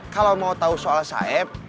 kalau mau tahu soal saib